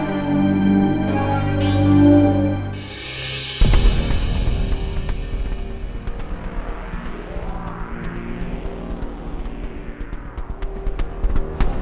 apa aku harus menunggu sampai al pulih